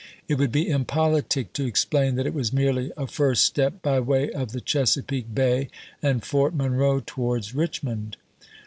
It would be impolitic to explain that it was merely a first step by way of the Chesapeake Bay and Fort Monroe towards Richmond.